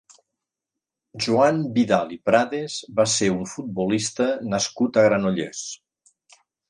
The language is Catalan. Joan Vidal i Prades va ser un futbolista nascut a Granollers.